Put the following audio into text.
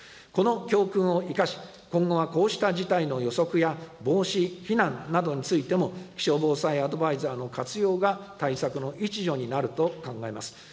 この教訓を生かし、今後はこうした事態の予測や防止、避難などについても気象防災アドバイザーの活用が対策の一助になると考えます。